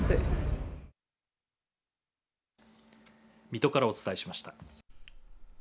水戸からお伝えしました。